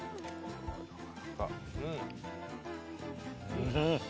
うん！